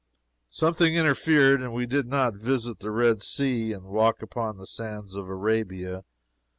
Something interfered, and we did not visit the Red Sea and walk upon the sands of Arabia.